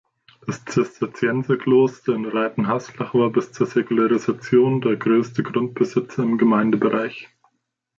Das Zisterzienserkloster in Raitenhaslach war bis zur Säkularisation der größte Grundbesitzer im Gemeindebereich.